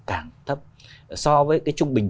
càng thấp so với cái trung bình